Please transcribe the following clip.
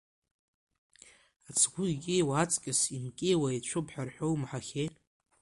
Ацгәы икьиуа аҵкыс имкьиуа еицәоуп ҳәа рҳәо умаҳахьеи.